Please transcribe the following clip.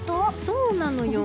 そうなのよ。